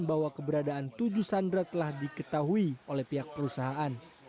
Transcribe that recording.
bahwa keberadaan tujuh sandra telah diketahui oleh pihak perusahaan